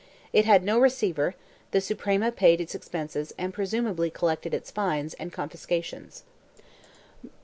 It had no receiver; the Suprema paid its expenses and presumably collected its fines and con fiscations.